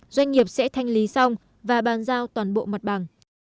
doanh nghiệp sẽ thanh lý xong và bàn giao toàn bộ mặt bằng